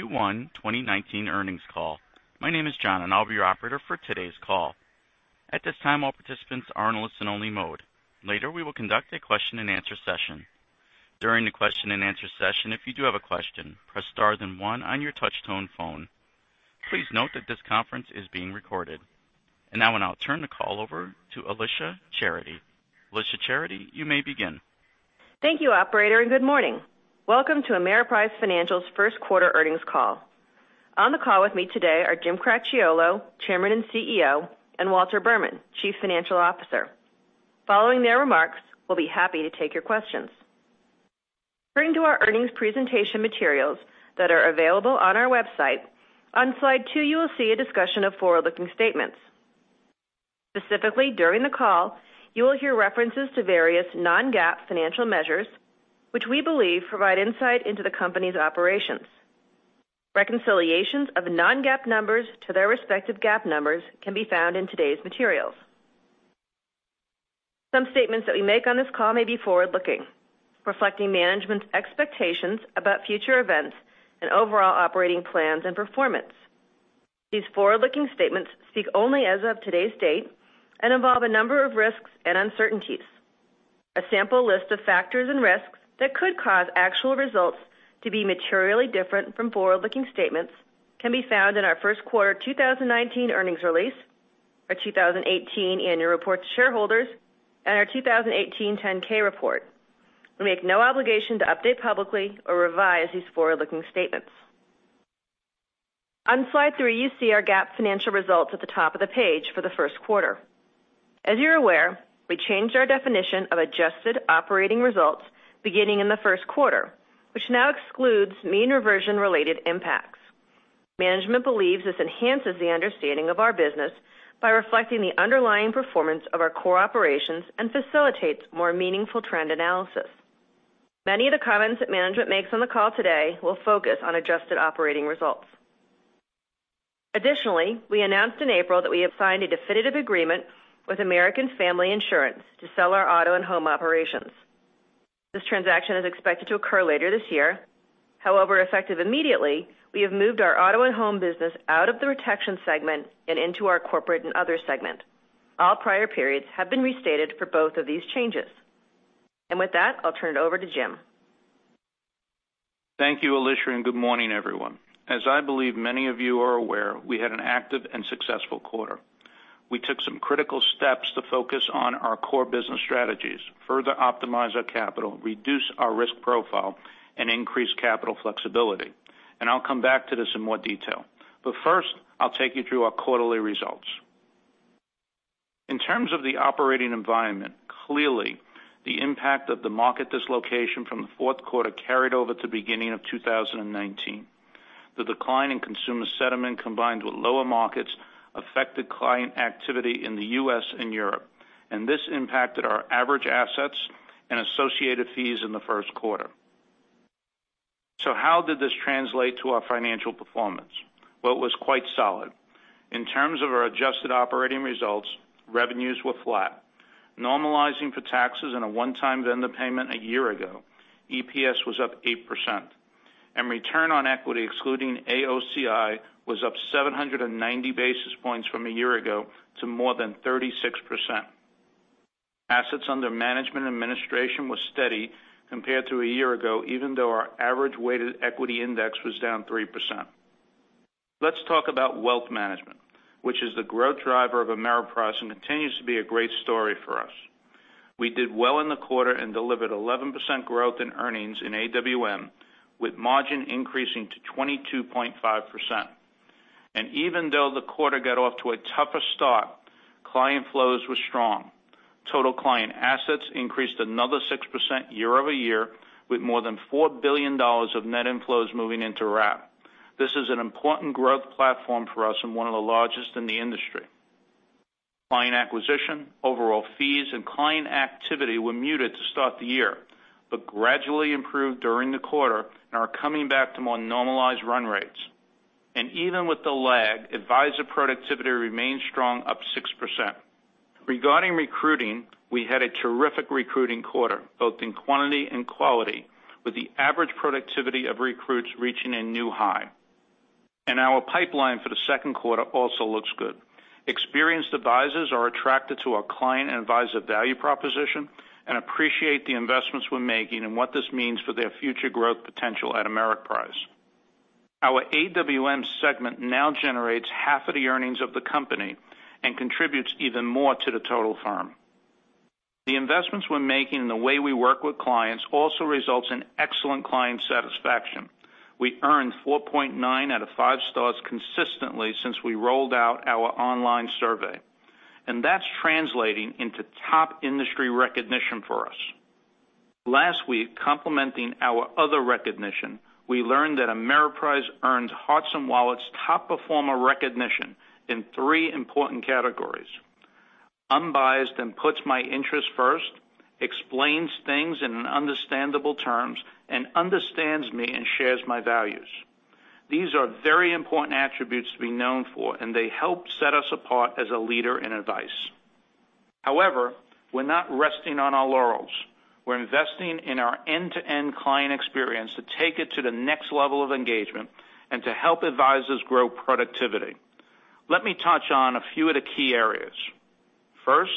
To the Q1 2019 earnings call. My name is John, and I'll be your operator for today's call. At this time, all participants are in listen-only mode. Later, we will conduct a question and answer session. During the question and answer session, if you do have a question, press star then one on your touch-tone phone. Please note that this conference is being recorded. Now I'll now turn the call over to Alicia Charity. Alicia Charity, you may begin. Thank you, operator, and good morning. Welcome to Ameriprise Financial's first-quarter earnings call. On the call with me today are Jim Cracchiolo, Chairman and CEO, and Walter Berman, Chief Financial Officer. Following their remarks, we'll be happy to take your questions. According to our earnings presentation materials that are available on our website, on slide two you will see a discussion of forward-looking statements. Specifically, during the call, you will hear references to various non-GAAP financial measures, which we believe provide insight into the company's operations. Reconciliations of non-GAAP numbers to their respective GAAP numbers can be found in today's materials. Some statements that we make on this call may be forward-looking, reflecting management's expectations about future events and overall operating plans and performance. These forward-looking statements speak only as of today's date and involve a number of risks and uncertainties. A sample list of factors and risks that could cause actual results to be materially different from forward-looking statements can be found in our first-quarter 2019 earnings release, our 2018 Annual Report to Shareholders, and our 2018 10-K report. We make no obligation to update publicly or revise these forward-looking statements. On slide three, you see our GAAP financial results at the top of the page for the first quarter. As you're aware, we changed our definition of adjusted operating results beginning in the first quarter, which now excludes mean reversion-related impacts. Management believes this enhances the understanding of our business by reflecting the underlying performance of our core operations and facilitates more meaningful trend analysis. Many of the comments that management makes on the call today will focus on adjusted operating results. We announced in April that we have signed a definitive agreement with American Family Insurance to sell our auto and home operations. This transaction is expected to occur later this year. Effective immediately, we have moved our auto and home business out of the Protection segment and into our Corporate and Other segment. All prior periods have been restated for both of these changes. With that, I'll turn it over to Jim. Thank you, Alicia, and good morning, everyone. As I believe many of you are aware, we had an active and successful quarter. We took some critical steps to focus on our core business strategies, further optimize our capital, reduce our risk profile, and increase capital flexibility. I'll come back to this in more detail. First, I'll take you through our quarterly results. In terms of the operating environment, clearly, the impact of the market dislocation from the fourth quarter carried over to the beginning of 2019. The decline in consumer sentiment combined with lower markets affected client activity in the U.S. and Europe. This impacted our average assets and associated fees in the first quarter. How did this translate to our financial performance? Well, it was quite solid. In terms of our adjusted operating results, revenues were flat. Normalizing for taxes and a one-time vendor payment a year ago, EPS was up 8%, and return on equity, excluding AOCI, was up 790 basis points from a year ago to more than 36%. Assets under management and administration were steady compared to a year ago, even though our average weighted equity index was down 3%. Let's talk about wealth management, which is the growth driver of Ameriprise and continues to be a great story for us. We did well in the quarter and delivered 11% growth in earnings in AWM, with margin increasing to 22.5%. Even though the quarter got off to a tougher start, client flows were strong. Total client assets increased another 6% year-over-year, with more than $4 billion of net inflows moving into wrap. This is an important growth platform for us and one of the largest in the industry. Client acquisition, overall fees, and client activity were muted to start the year but gradually improved during the quarter and are coming back to more normalized run rates. Even with the lag, advisor productivity remained strong, up 6%. Regarding recruiting, we had a terrific recruiting quarter, both in quantity and quality, with the average productivity of recruits reaching a new high. Our pipeline for the second quarter also looks good. Experienced advisors are attracted to our client and advisor value proposition and appreciate the investments we're making and what this means for their future growth potential at Ameriprise. Our AWM segment now generates half of the earnings of the company and contributes even more to the total firm. The investments we're making and the way we work with clients also results in excellent client satisfaction. We earned 4.9 out of 5 stars consistently since we rolled out our online survey. That's translating into top industry recognition for us. Last week, complementing our other recognition, we learned that Ameriprise earned Hearts & Wallets' top performer recognition in three important categories: unbiased and puts my interests first, explains things in understandable terms, and understands me and shares my values. These are very important attributes to be known for. They help set us apart as a leader in advice. However, we're not resting on our laurels. We're investing in our end-to-end client experience to take it to the next level of engagement and to help advisors grow productivity. Let me touch on a few of the key areas. First,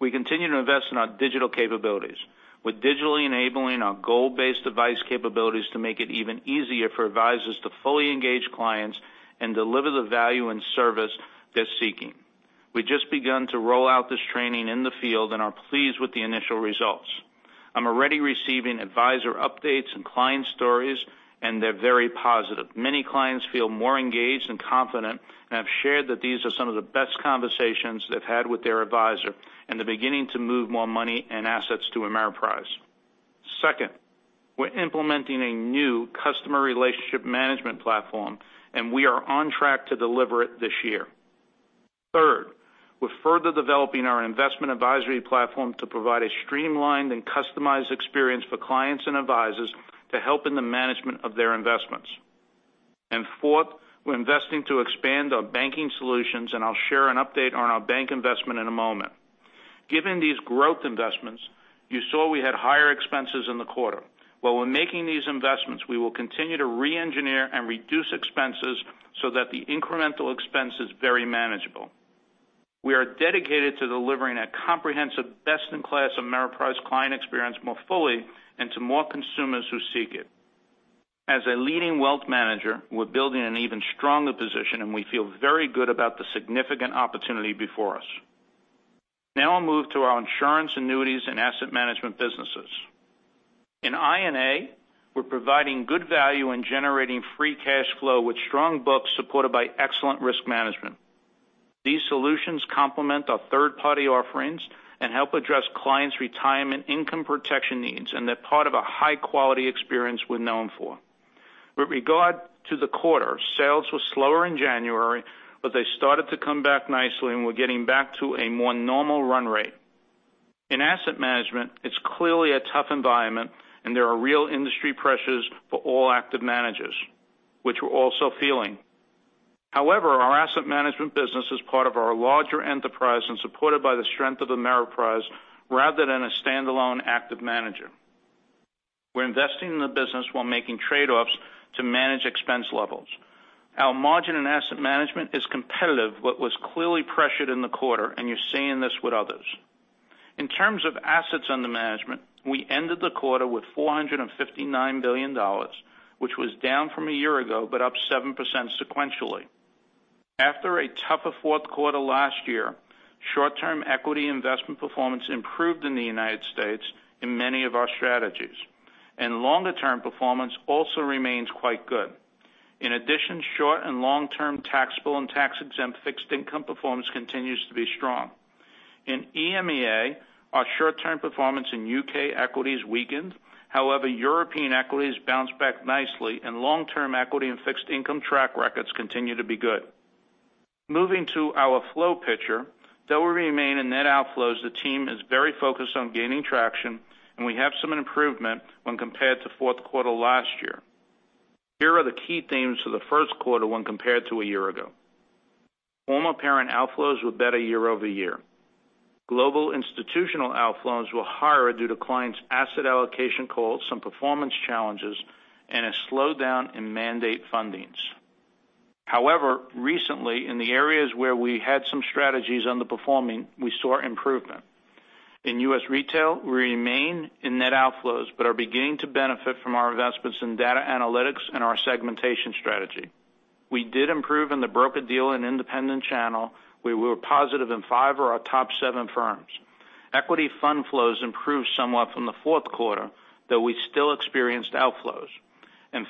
we continue to invest in our digital capabilities. We're digitally enabling our goal-based advice capabilities to make it even easier for advisors to fully engage clients and deliver the value and service they're seeking. We just begun to roll out this training in the field and are pleased with the initial results. I'm already receiving advisor updates and client stories, and they're very positive. Many clients feel more engaged and confident and have shared that these are some of the best conversations they've had with their advisor and they're beginning to move more money and assets to Ameriprise. Second, we're implementing a new customer relationship management platform, and we are on track to deliver it this year. Third, we're further developing our investment advisory platform to provide a streamlined and customized experience for clients and advisors to help in the management of their investments. Fourth, we're investing to expand our banking solutions, and I'll share an update on our bank investment in a moment. Given these growth investments, you saw we had higher expenses in the quarter. While we're making these investments, we will continue to re-engineer and reduce expenses so that the incremental expense is very manageable. We are dedicated to delivering a comprehensive, best-in-class Ameriprise client experience more fully and to more consumers who seek it. As a leading wealth manager, we're building an even stronger position, and we feel very good about the significant opportunity before us. Now I'll move to our insurance, annuities, and asset management businesses. In I&A, we're providing good value in generating free cash flow with strong books supported by excellent risk management. These solutions complement our third-party offerings and help address clients' retirement income protection needs, and they're part of a high-quality experience we're known for. With regard to the quarter, sales were slower in January, but they started to come back nicely and we're getting back to a more normal run rate. In asset management, it's clearly a tough environment, and there are real industry pressures for all active managers, which we're also feeling. However, our asset management business is part of our larger enterprise and supported by the strength of Ameriprise rather than a standalone active manager. We're investing in the business while making trade-offs to manage expense levels. Our margin in asset management is competitive, but was clearly pressured in the quarter, and you're seeing this with others. In terms of assets under management, we ended the quarter with $459 billion, which was down from a year ago, but up 7% sequentially. After a tougher fourth quarter last year, short-term equity investment performance improved in the United States in many of our strategies, and longer-term performance also remains quite good. In addition, short and long-term taxable and tax-exempt fixed income performance continues to be strong. In EMEA, our short-term performance in U.K. equities weakened, however European equities bounced back nicely and long-term equity and fixed income track records continue to be good. Moving to our flow picture, though we remain in net outflows, the team is very focused on gaining traction, and we have some improvement when compared to fourth quarter last year. Here are the key themes for the first quarter when compared to a year ago. Former parent outflows were better year-over-year. Global institutional outflows were higher due to clients' asset allocation calls, some performance challenges, and a slowdown in mandate fundings. However, recently, in the areas where we had some strategies underperforming, we saw improvement. In U.S. retail, we remain in net outflows but are beginning to benefit from our investments in data analytics and our segmentation strategy. We did improve in the broker-dealer and independent channel, where we were positive in five of our top seven firms. Equity fund flows improved somewhat from the fourth quarter, though we still experienced outflows.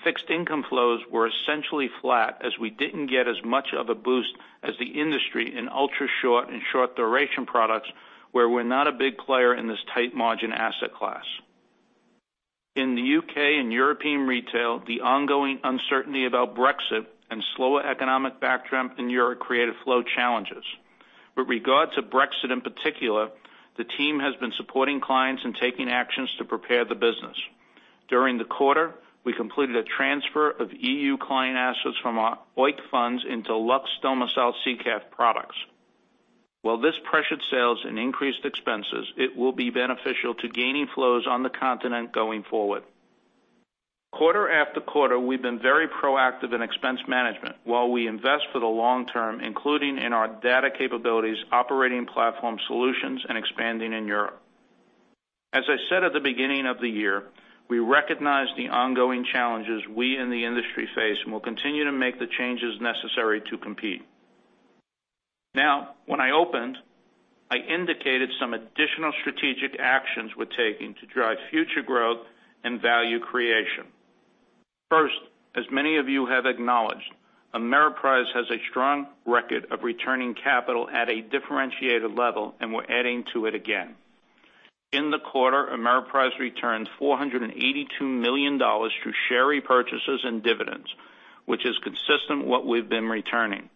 Fixed income flows were essentially flat, as we didn't get as much of a boost as the industry in ultra short and short duration products, where we're not a big player in this tight margin asset class. In the U.K. and European retail, the ongoing uncertainty about Brexit and slower economic backdrop in Europe created flow challenges. With regards to Brexit in particular, the team has been supporting clients and taking actions to prepare the business. During the quarter, we completed a transfer of EU client assets from our [OEIC] funds into Lux domiciled [SICAV] products. While this pressured sales and increased expenses, it will be beneficial to gaining flows on the continent going forward. Quarter after quarter, we've been very proactive in expense management while we invest for the long term, including in our data capabilities, operating platform solutions, and expanding in Europe. As I said at the beginning of the year, we recognize the ongoing challenges we in the industry face, and we'll continue to make the changes necessary to compete. When I opened, I indicated some additional strategic actions we're taking to drive future growth and value creation. As many of you have acknowledged, Ameriprise has a strong record of returning capital at a differentiated level, and we're adding to it again. In the quarter, Ameriprise returned $482 million through share repurchases and dividends, which is consistent what we've been returning.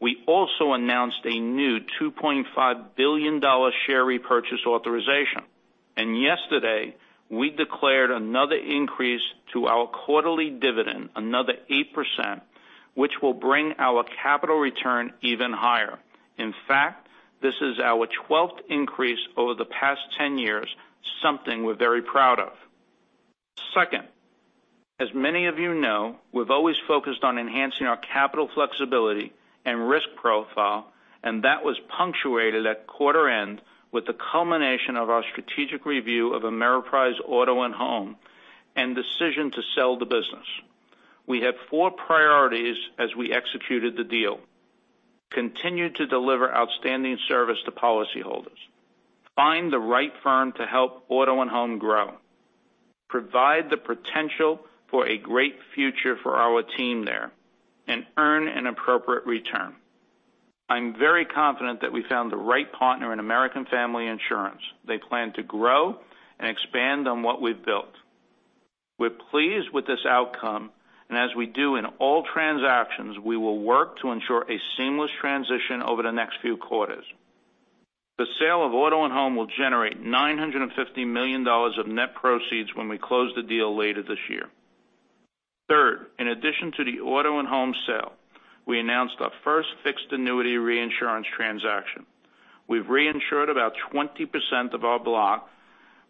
We also announced a new $2.5 billion share repurchase authorization. Yesterday, we declared another increase to our quarterly dividend, another 8%, which will bring our capital return even higher. In fact, this is our 12th increase over the past 10 years, something we're very proud of. As many of you know, we've always focused on enhancing our capital flexibility and risk profile, and that was punctuated at quarter end with the culmination of our strategic review of Ameriprise Auto & Home and decision to sell the business. We had four priorities as we executed the deal. Continue to deliver outstanding service to policyholders, find the right firm to help Auto & Home grow, provide the potential for a great future for our team there, and earn an appropriate return. I'm very confident that we found the right partner in American Family Insurance. They plan to grow and expand on what we've built. We're pleased with this outcome, and as we do in all transactions, we will work to ensure a seamless transition over the next few quarters. The sale of Auto & Home will generate $950 million of net proceeds when we close the deal later this year. In addition to the Auto & Home sale, we announced our first fixed annuity reinsurance transaction. We've reinsured about 20% of our block,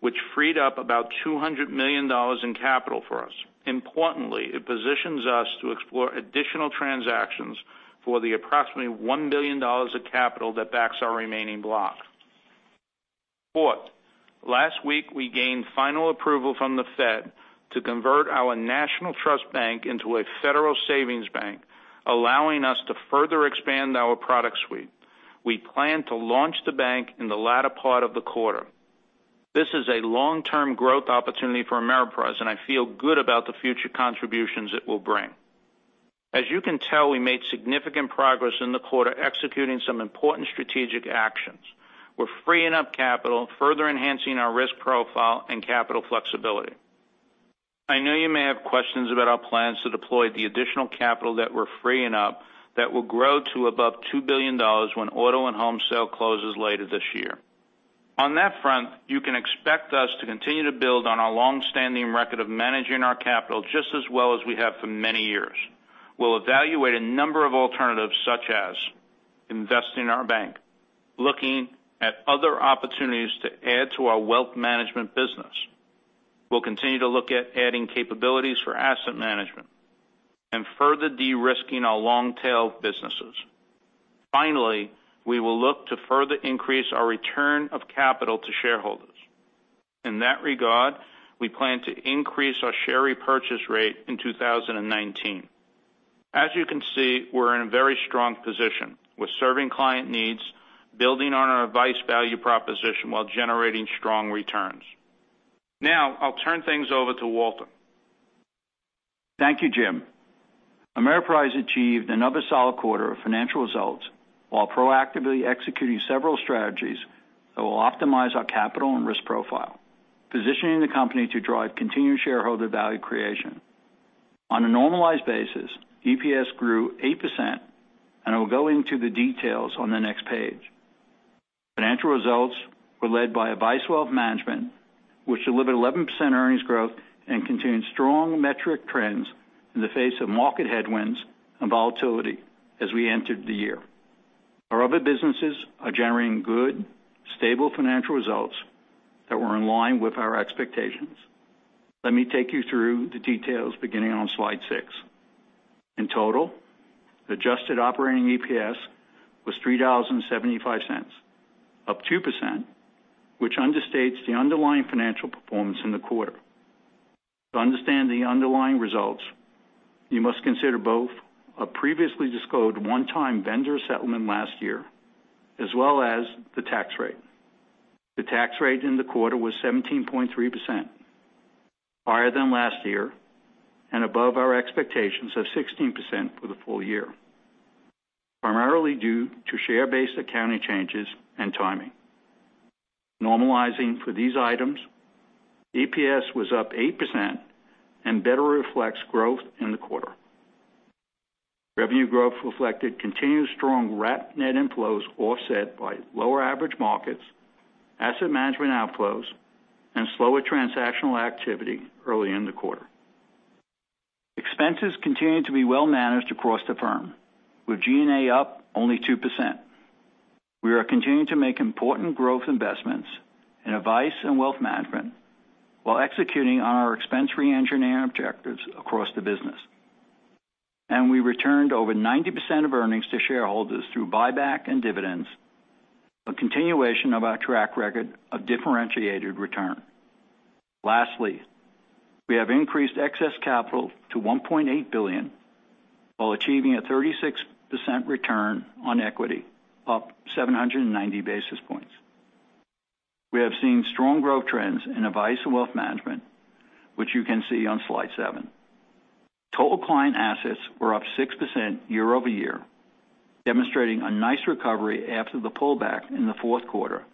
which freed up about $200 million in capital for us. It positions us to explore additional transactions for the approximately $1 billion of capital that backs our remaining block. Fourth, last week, we gained final approval from the Fed to convert our national trust bank into a federal savings bank, allowing us to further expand our product suite. We plan to launch the bank in the latter part of the quarter. This is a long-term growth opportunity for Ameriprise, and I feel good about the future contributions it will bring. As you can tell, we made significant progress in the quarter executing some important strategic actions. We're freeing up capital, further enhancing our risk profile and capital flexibility. I know you may have questions about our plans to deploy the additional capital that we're freeing up that will grow to above $2 billion when Auto and Home sale closes later this year. On that front, you can expect us to continue to build on our long-standing record of managing our capital just as well as we have for many years. We'll evaluate a number of alternatives, such as investing in our bank, looking at other opportunities to add to our wealth management business. We'll continue to look at adding capabilities for asset management and further de-risking our long-tail businesses. Finally, we will look to further increase our return of capital to shareholders. In that regard, we plan to increase our share repurchase rate in 2019. As you can see, we're in a very strong position. We're serving client needs, building on our advice-value proposition while generating strong returns. Now, I'll turn things over to Walter. Thank you, Jim. Ameriprise achieved another solid quarter of financial results while proactively executing several strategies that will optimize our capital and risk profile, positioning the company to drive continued shareholder value creation. On a normalized basis, EPS grew 8%, and I will go into the details on the next page. Financial results were led by Advice & Wealth Management, which delivered 11% earnings growth and contained strong metric trends in the face of market headwinds and volatility as we entered the year. Our other businesses are generating good, stable financial results that were in line with our expectations. Let me take you through the details beginning on slide six. In total, adjusted operating EPS was $3.75, up 2%, which understates the underlying financial performance in the quarter. To understand the underlying results, you must consider both a previously disclosed one-time vendor settlement last year, as well as the tax rate. The tax rate in the quarter was 17.3%, higher than last year, and above our expectations of 16% for the full year, primarily due to share-based accounting changes and timing. Normalizing for these items, EPS was up 8% and better reflects growth in the quarter. Revenue growth reflected continued strong wrap net inflows offset by lower average markets, asset management outflows, and slower transactional activity early in the quarter. Expenses continued to be well managed across the firm, with G&A up only 2%. We are continuing to make important growth investments in advice and wealth management while executing on our expense reengineering objectives across the business. We returned over 90% of earnings to shareholders through buyback and dividends, a continuation of our track record of differentiated return. Lastly, we have increased excess capital to $1.8 billion while achieving a 36% return on equity, up 790 basis points. We have seen strong growth trends in Advice & Wealth Management, which you can see on slide seven. Total client assets were up 6% year-over-year, demonstrating a nice recovery after the pullback in the fourth quarter,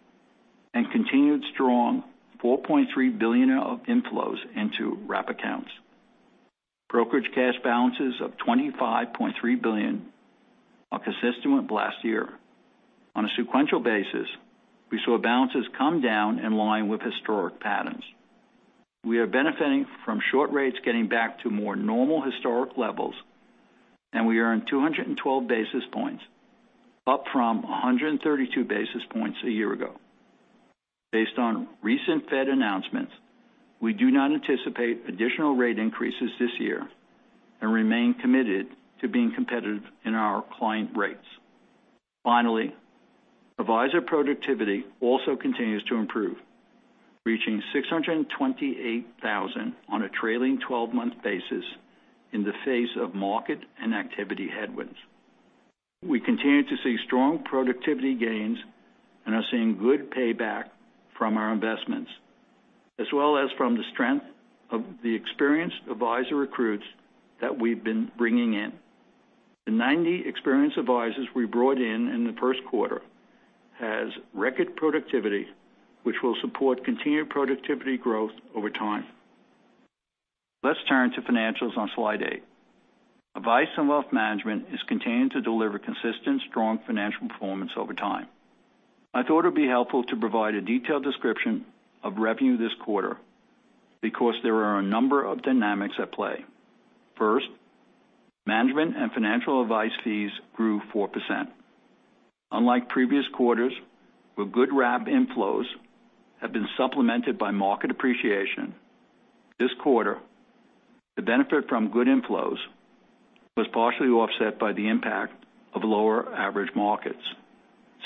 and continued strong $4.3 billion of inflows into wrap accounts. Brokerage cash balances of $25.3 billion are consistent with last year. On a sequential basis, we saw balances come down in line with historic patterns. We are benefiting from short rates getting back to more normal historic levels, and we are in 212 basis points, up from 132 basis points a year ago. Based on recent Fed announcements, we do not anticipate additional rate increases this year and remain committed to being competitive in our client rates. Finally, advisor productivity also continues to improve, reaching $628,000 on a trailing 12-month basis in the face of market and activity headwinds. We continue to see strong productivity gains and are seeing good payback from our investments as well as from the strength of the experienced advisor recruits that we've been bringing in. The 90 experienced advisors we brought in in the first quarter has record productivity, which will support continued productivity growth over time. Let's turn to financials on slide eight. Advice & Wealth Management is continuing to deliver consistent, strong financial performance over time. I thought it'd be helpful to provide a detailed description of revenue this quarter because there are a number of dynamics at play. First, management and financial advice fees grew 4%. Unlike previous quarters, where good wrap inflows have been supplemented by market appreciation, this quarter, the benefit from good inflows was partially offset by the impact of lower average markets,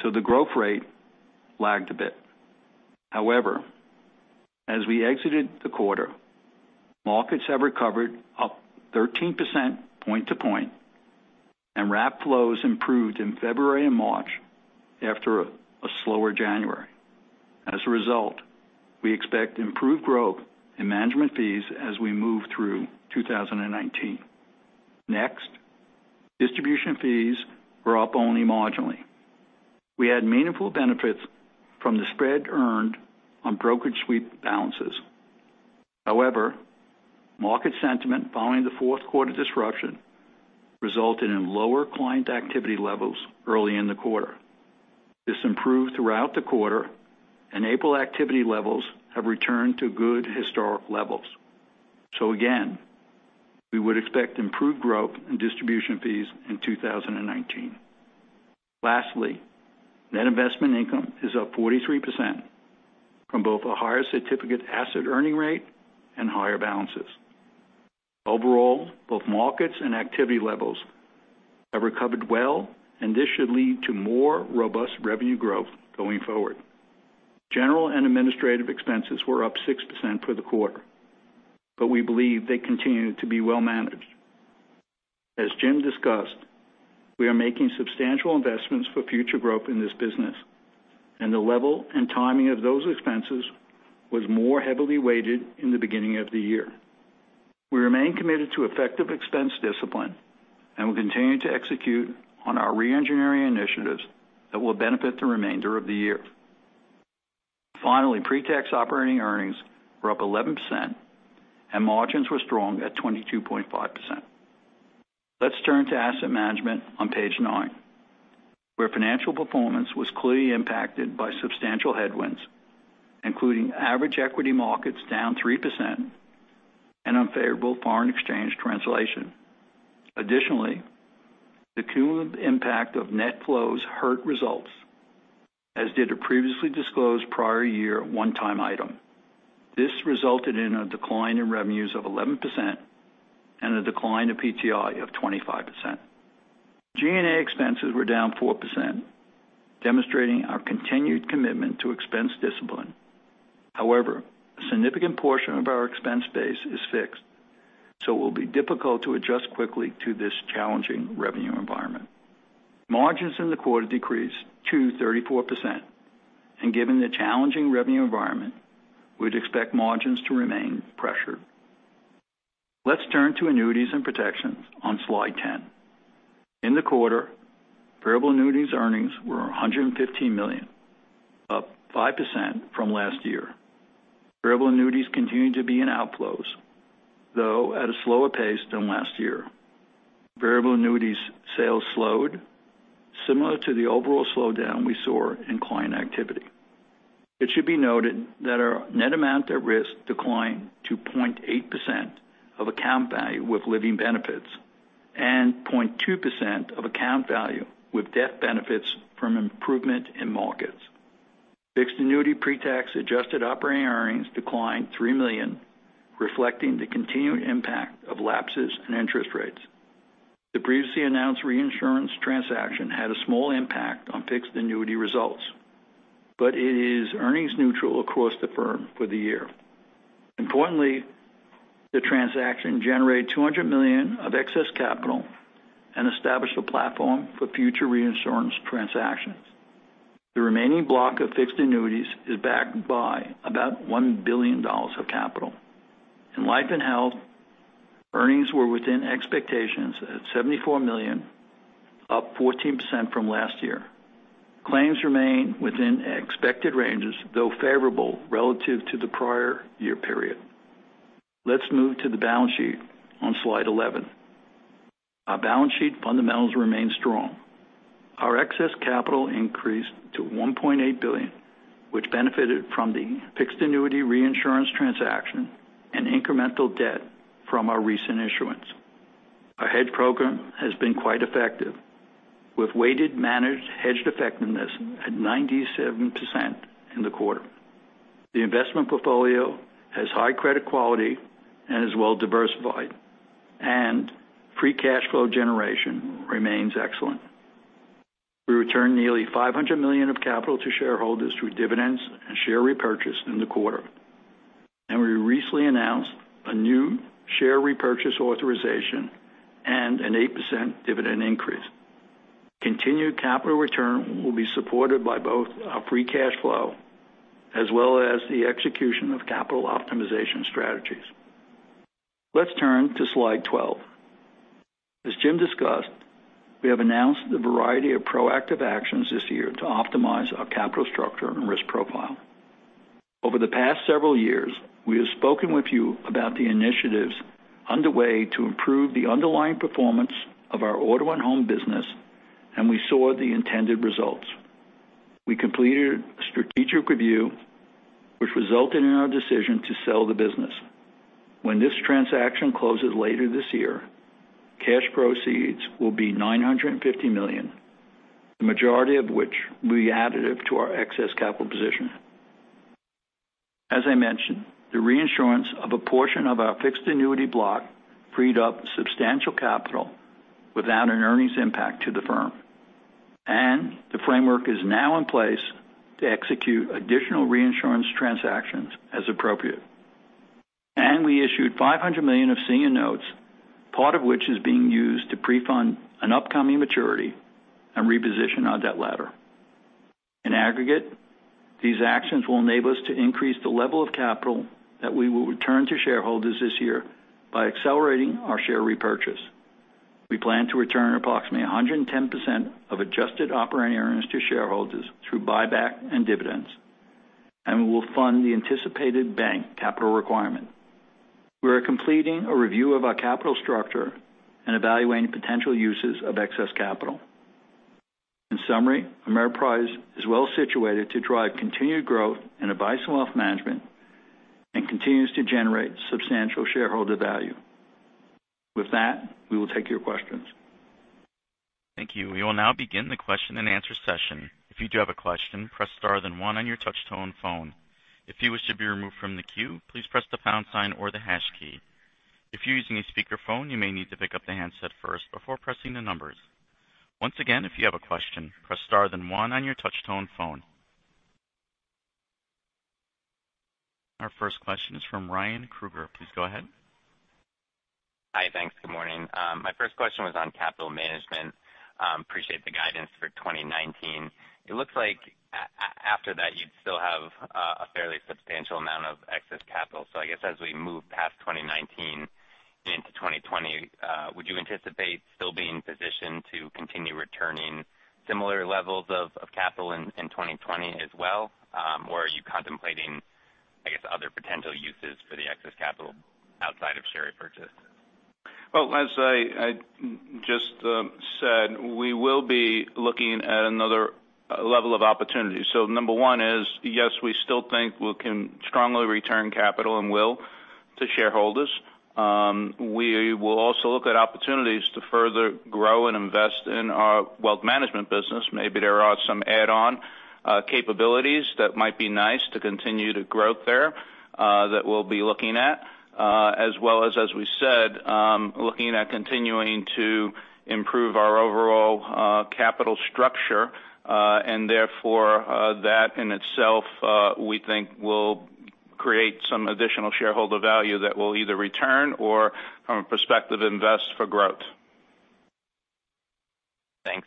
so the growth rate lagged a bit. However, as we exited the quarter, markets have recovered up 13% point to point, and wrap flows improved in February and March after a slower January. As a result, we expect improved growth in management fees as we move through 2019. Next, distribution fees were up only marginally. We had meaningful benefits from the spread earned on brokerage sweep balances. However, market sentiment following the fourth quarter disruption resulted in lower client activity levels early in the quarter. This improved throughout the quarter, and April activity levels have returned to good historic levels. Again, we would expect improved growth in distribution fees in 2019. Lastly, net investment income is up 43% from both a higher certificate asset earning rate and higher balances. Overall, both markets and activity levels have recovered well, and this should lead to more robust revenue growth going forward. General and administrative expenses were up 6% for the quarter, but we believe they continue to be well managed. As Jim discussed, we are making substantial investments for future growth in this business, and the level and timing of those expenses was more heavily weighted in the beginning of the year. We remain committed to effective expense discipline and will continue to execute on our re-engineering initiatives that will benefit the remainder of the year. Finally, pre-tax operating earnings were up 11%, and margins were strong at 22.5%. Let's turn to asset management on page nine, where financial performance was clearly impacted by substantial headwinds, including average equity markets down 3% and unfavorable foreign exchange translation. Additionally, the cumulative impact of net flows hurt results, as did a previously disclosed prior year one-time item. This resulted in a decline in revenues of 11% and a decline of PTI of 25%. G&A expenses were down 4%, demonstrating our continued commitment to expense discipline. However, a significant portion of our expense base is fixed, so it will be difficult to adjust quickly to this challenging revenue environment. Margins in the quarter decreased to 34%, and given the challenging revenue environment, we'd expect margins to remain pressured. Let's turn to annuities and protections on slide 10. In the quarter, variable annuities earnings were $115 million, up 5% from last year. Variable annuities continue to be in outflows, though at a slower pace than last year. Variable annuities sales slowed similar to the overall slowdown we saw in client activity. It should be noted that our net amount at risk declined to 0.8% of account value with living benefits and 0.2% of account value with death benefits from improvement in markets. Fixed annuity pre-tax adjusted operating earnings declined $3 million, reflecting the continued impact of lapses in interest rates. The previously announced reinsurance transaction had a small impact on fixed annuity results, but it is earnings neutral across the firm for the year. Importantly, the transaction generated $200 million of excess capital and established a platform for future reinsurance transactions. The remaining block of fixed annuities is backed by about $1 billion of capital. In life and health, earnings were within expectations at $74 million, up 14% from last year. Claims remain within expected ranges, though favorable relative to the prior year period. Let's move to the balance sheet on slide 11. Our balance sheet fundamentals remain strong. Our excess capital increased to $1.8 billion, which benefited from the fixed annuity reinsurance transaction and incremental debt from our recent issuance. Our hedge program has been quite effective with weighted managed hedged effectiveness at 97% in the quarter. The investment portfolio has high credit quality and is well diversified, and free cash flow generation remains excellent. We returned nearly $500 million of capital to shareholders through dividends and share repurchase in the quarter, and we recently announced a new share repurchase authorization and an 8% dividend increase. Continued capital return will be supported by both our free cash flow as well as the execution of capital optimization strategies. Let's turn to slide 12. As Jim discussed, we have announced a variety of proactive actions this year to optimize our capital structure and risk profile. Over the past several years, we have spoken with you about the initiatives underway to improve the underlying performance of our Auto & Home business, and we saw the intended results. We completed a strategic review, which resulted in our decision to sell the business. When this transaction closes later this year, cash proceeds will be $950 million, the majority of which will be additive to our excess capital position. As I mentioned, the reinsurance of a portion of our fixed annuity block freed up substantial capital without an earnings impact to the firm, and the framework is now in place to execute additional reinsurance transactions as appropriate. We issued $500 million of senior notes, part of which is being used to pre-fund an upcoming maturity and reposition our debt ladder. In aggregate, these actions will enable us to increase the level of capital that we will return to shareholders this year by accelerating our share repurchase. We plan to return approximately 110% of adjusted operating earnings to shareholders through buyback and dividends, and we will fund the anticipated bank capital requirement. We are completing a review of our capital structure and evaluating potential uses of excess capital. In summary, Ameriprise is well situated to drive continued growth in Advice & Wealth Management and continues to generate substantial shareholder value. With that, we will take your questions. Thank you. We will now begin the question and answer session. If you do have a question, press star then one on your touch-tone phone. If you wish to be removed from the queue, please press the pound sign or the hash key. If you're using a speakerphone, you may need to pick up the handset first before pressing the numbers. Once again, if you have a question, press star then one on your touch-tone phone. Our first question is from Ryan Krueger. Please go ahead. Hi. Thanks. Good morning. My first question was on capital management. Appreciate the guidance for 2019. It looks like after that, you'd still have a fairly substantial amount of excess capital. I guess as we move past 2019 into 2020, would you anticipate still being positioned to continue returning similar levels of capital in 2020 as well? Are you contemplating, I guess, other potential uses for the excess capital outside of share repurchase? Well, as I just said, we will be looking at another level of opportunity. Number one is, yes, we still think we can strongly return capital and will to shareholders. We will also look at opportunities to further grow and invest in our wealth management business. Maybe there are some add-on capabilities that might be nice to continue to grow there that we'll be looking at as well as we said, looking at continuing to improve our overall capital structure, and therefore, that in itself we think will create some additional shareholder value that we'll either return or from a perspective invest for growth. Thanks.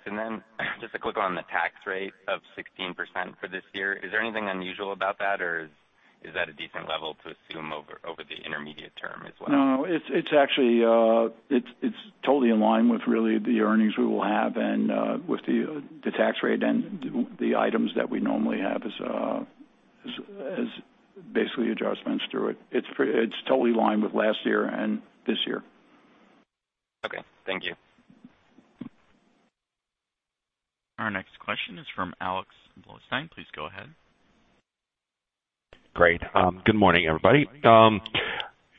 Just to click on the tax rate of 16% for this year. Is there anything unusual about that, or is that a decent level to assume over the intermediate term as well? No, it's totally in line with really the earnings we will have and with the tax rate and the items that we normally have as basically adjustments through it. It's totally in line with last year and this year. Okay. Thank you. Our next question is from Alex Blostein. Please go ahead. Great. Good morning, everybody.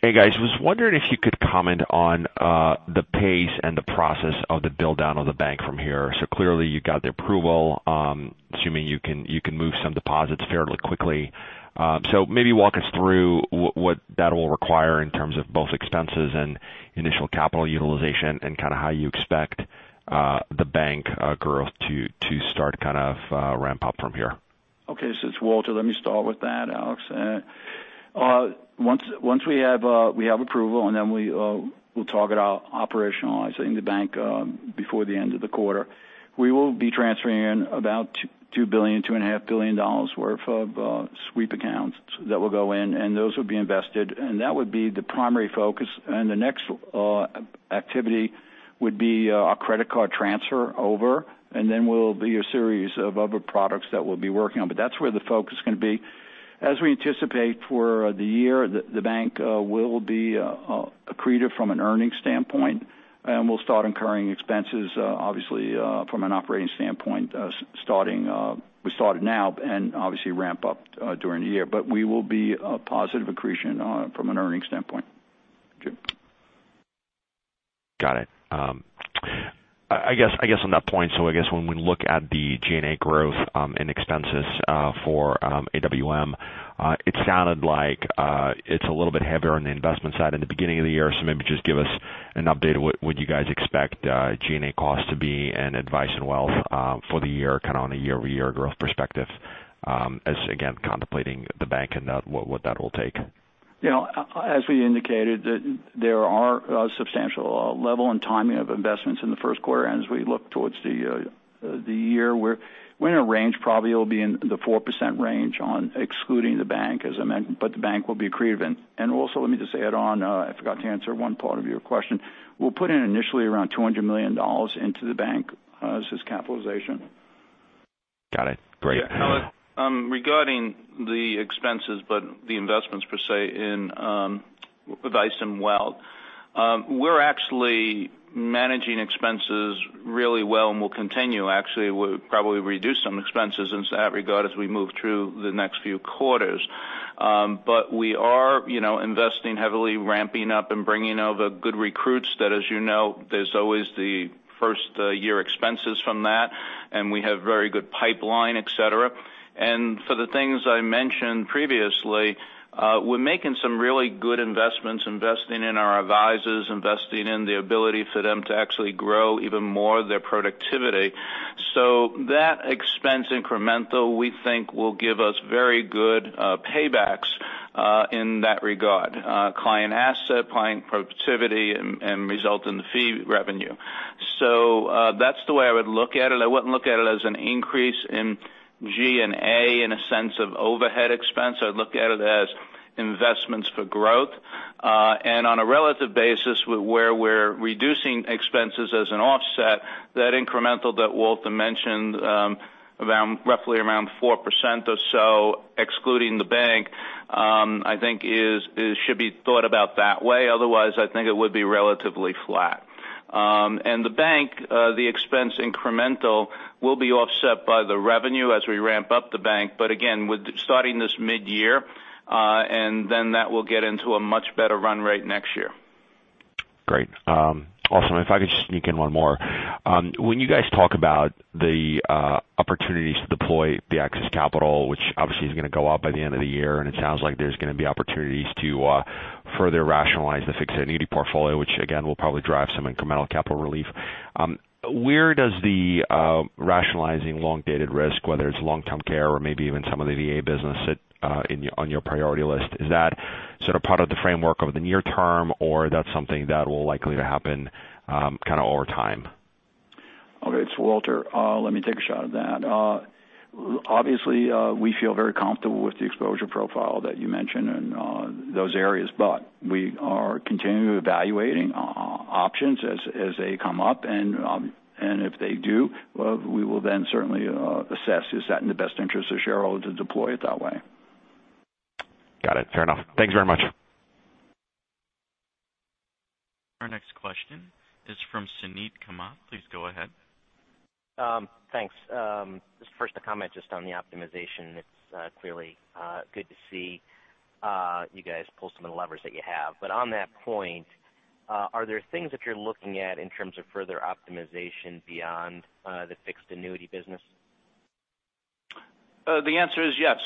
Hey, guys. Was wondering if you could comment on the pace and the process of the build-down of the bank from here. Clearly you got the approval, assuming you can move some deposits fairly quickly. Maybe walk us through what that will require in terms of both expenses and initial capital utilization and how you expect the bank growth to start ramp up from here. Okay. It's Walter. Let me start with that, Alex. Once we have approval, then we'll talk about operationalizing the bank before the end of the quarter. We will be transferring about $2 billion-$2.5 billion worth of sweep accounts that will go in, and those will be invested, and that would be the primary focus. The next activity would be our credit card transfer over, and then will be a series of other products that we'll be working on. That's where the focus is going to be. As we anticipate for the year, the bank will be accretive from an earnings standpoint, and we'll start incurring expenses, obviously, from an operating standpoint, we started now and obviously ramp up during the year. We will be a positive accretion from an earnings standpoint. Jim? Got it. I guess on that point, I guess when we look at the G&A growth in expenses for AWM, it sounded like it's a little bit heavier on the investment side in the beginning of the year. Maybe just give us an update. What you guys expect G&A cost to be in Advice and Wealth for the year on a year-over-year growth perspective, as again, contemplating the bank and what that will take. As we indicated, there are substantial level and timing of investments in the first quarter. As we look towards the year, we're in a range, probably it'll be in the 4% range on excluding the bank, but the bank will be accretive. Also, let me just add on, I forgot to answer one part of your question. We'll put in initially around $200 million into the bank as its capitalization. Got it. Great. Now, regarding the expenses, but the investments per se in Advice and Wealth. We're actually managing expenses really well and will continue, actually, we'll probably reduce some expenses in that regard as we move through the next few quarters. We are investing heavily, ramping up, and bringing over good recruits that as you know, there's always the first-year expenses from that, and we have very good pipeline, et cetera. For the things I mentioned previously, we're making some really good investments, investing in our advisors, investing in the ability for them to actually grow even more their productivity. That expense incremental, we think, will give us very good paybacks in that regard. Client asset, client productivity, and result in the fee revenue. That's the way I would look at it. I wouldn't look at it as an increase in G&A in a sense of overhead expense. I'd look at it as investments for growth. On a relative basis where we're reducing expenses as an offset, that incremental that Walter mentioned, roughly around 4% or so, excluding the bank, I think should be thought about that way. Otherwise, I think it would be relatively flat. The bank, the expense incremental will be offset by the revenue as we ramp up the bank. Again, starting this mid-year, and then that will get into a much better run rate next year. Great. Awesome. If I could just sneak in one more. When you guys talk about the opportunities to deploy the excess capital, which obviously is going to go up by the end of the year, and it sounds like there's going to be opportunities to further rationalize the fixed annuity portfolio, which again, will probably drive some incremental capital relief. Where does the rationalizing long-dated risk, whether it's long-term care or maybe even some of the VA business sit on your priority list? Is that sort of part of the framework over the near term, or that's something that will likely to happen kind of over time? Okay. It's Walter. Let me take a shot at that. Obviously, we feel very comfortable with the exposure profile that you mentioned in those areas, but we are continually evaluating options as they come up. If they do, we will then certainly assess, is that in the best interest of shareholders to deploy it that way? Got it. Fair enough. Thanks very much. Our next question is from Suneet Kamath. Please go ahead. Thanks. First a comment on the optimization. It's clearly good to see you guys pull some of the levers that you have. On that point, are there things that you're looking at in terms of further optimization beyond the fixed annuity business? The answer is yes.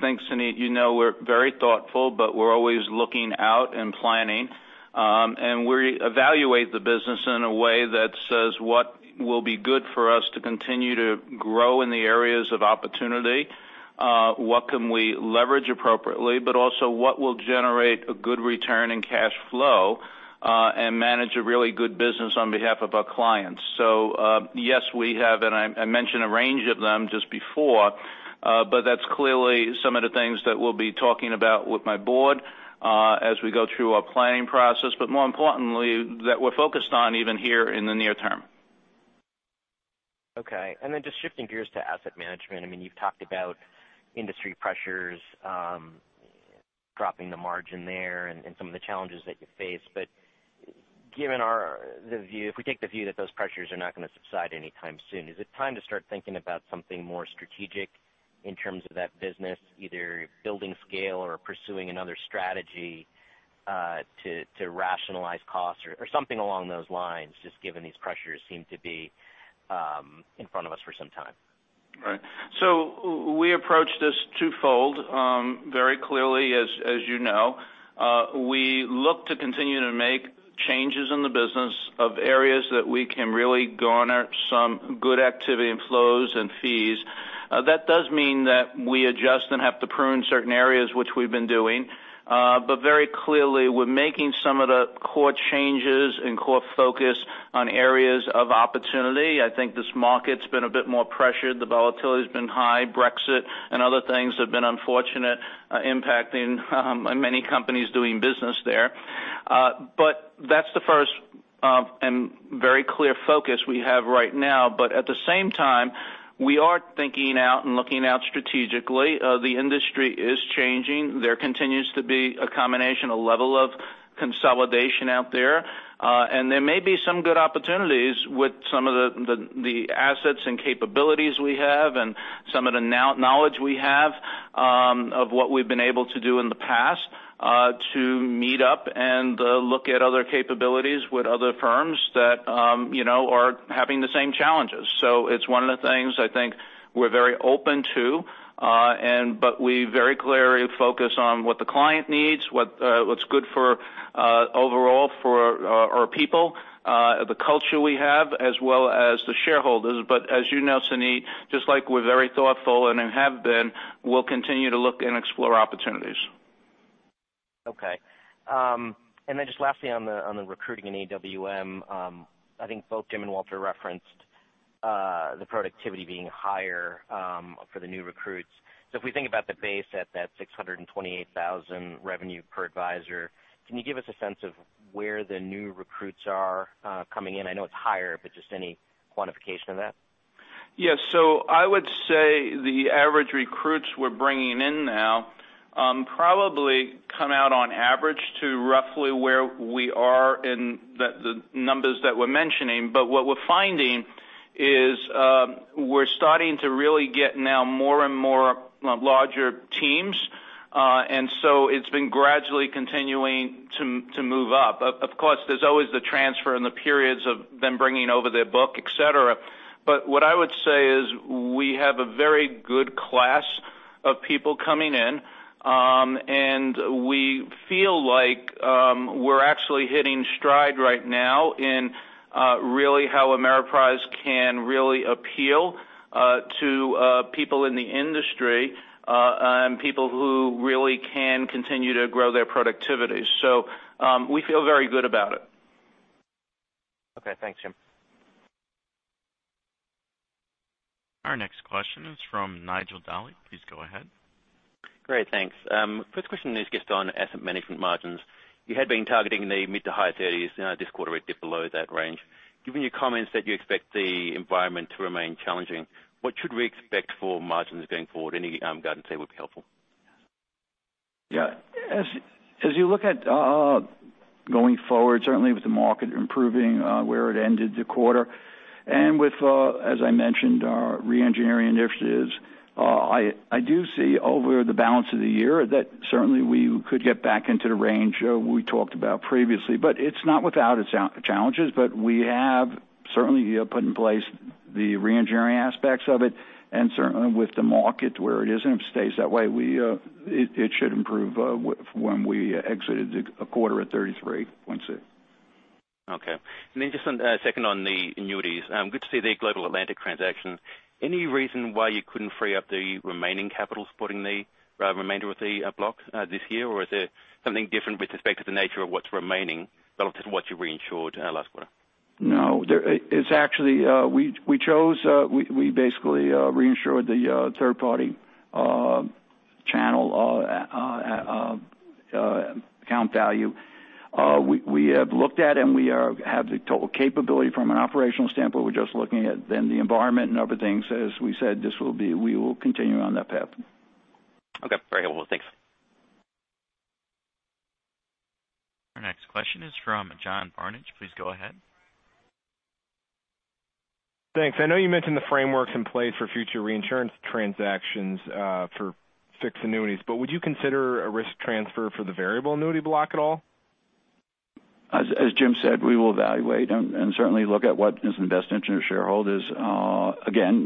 Thanks, Suneet. You know we're very thoughtful, but we're always looking out and planning. We evaluate the business in a way that says what will be good for us to continue to grow in the areas of opportunity. What can we leverage appropriately, but also what will generate a good return in cash flow, and manage a really good business on behalf of our clients. Yes, we have, and I mentioned a range of them just before. That's clearly some of the things that we'll be talking about with my board as we go through our planning process, but more importantly, that we're focused on even here in the near term. Okay. Just shifting gears to asset management. You've talked about industry pressures, dropping the margin there, and some of the challenges that you face. If we take the view that those pressures are not going to subside anytime soon, is it time to start thinking about something more strategic in terms of that business, either building scale or pursuing another strategy to rationalize costs or something along those lines, just given these pressures seem to be in front of us for some time? Right. We approach this twofold. Very clearly as you know, we look to continue to make changes in the business of areas that we can really garner some good activity in flows and fees. That does mean that we adjust and have to prune certain areas, which we've been doing. Very clearly, we're making some of the core changes and core focus on areas of opportunity. I think this market's been a bit more pressured. The volatility's been high. Brexit and other things have been unfortunate, impacting many companies doing business there. That's the first and very clear focus we have right now. At the same time, we are thinking out and looking out strategically. The industry is changing. There continues to be a combination, a level of consolidation out there. There may be some good opportunities with some of the assets and capabilities we have and some of the knowledge we have of what we've been able to do in the past to meet up and look at other capabilities with other firms that are having the same challenges. It's one of the things I think we're very open to. We very clearly focus on what the client needs, what's good overall for our people, the culture we have, as well as the shareholders. As you know, Suneet, just like we're very thoughtful and have been, we'll continue to look and explore opportunities. Okay. Then just lastly on the recruiting in AWM, I think both Jim and Walter referenced the productivity being higher for the new recruits. If we think about the base at that $628,000 revenue per advisor, can you give us a sense of where the new recruits are coming in? I know it's higher, but just any quantification of that? Yes. I would say the average recruits we're bringing in now probably come out on average to roughly where we are in the numbers that we're mentioning. What we're finding is we're starting to really get now more and more larger teams. It's been gradually continuing to move up. Of course, there's always the transfer and the periods of them bringing over their book, et cetera. What I would say is we have a very good class of people coming in, and we feel like we're actually hitting stride right now in really how Ameriprise can really appeal to people in the industry, and people who really can continue to grow their productivity. We feel very good about it. Okay. Thanks, Jim. Our next question is from Nigel Daly. Please go ahead. Great. Thanks. First question is just on asset management margins. You had been targeting the mid to high 30s this quarter, it dipped below that range. Given your comments that you expect the environment to remain challenging, what should we expect for margins going forward? Any guidance there would be helpful. As you look at going forward, certainly with the market improving where it ended the quarter and with as I mentioned, our re-engineering initiatives, I do see over the balance of the year that certainly we could get back into the range we talked about previously, it's not without its challenges. We have certainly put in place the re-engineering aspects of it, and certainly with the market where it is, and if it stays that way, it should improve from when we exited a quarter at 33.6%. Okay. Just on a second on the annuities. Good to see the Global Atlantic transaction. Any reason why you couldn't free up the remaining capital supporting the remainder of the block this year? Or is there something different with respect to the nature of what's remaining relative to what you reinsured last quarter? No. We basically reinsured the third-party channel account value. We have looked at, we have the total capability from an operational standpoint. We're just looking at the environment and other things. As we said, we will continue on that path. Okay. Very helpful. Thanks. Our next question is from John Barnidge. Please go ahead. Thanks. I know you mentioned the frameworks in place for future reinsurance transactions for fixed annuities, would you consider a risk transfer for the variable annuity block at all? As Jim said, we will evaluate and certainly look at what is in the best interest of shareholders. Again,